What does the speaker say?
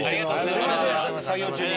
すみません作業中に。